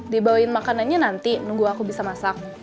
dibawain makanannya nanti nunggu aku bisa masak